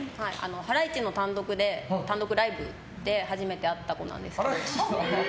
ハライチの単独ライブで初めて会った子なんですけど。